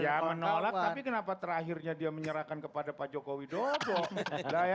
ya menolak tapi kenapa terakhirnya dia menyerahkan kepada pak joko widodo